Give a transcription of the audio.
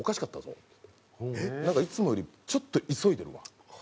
「なんかいつもよりちょっと急いでるわ」。